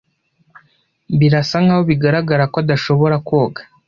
Birasa nkaho bigaragara ko adashobora koga.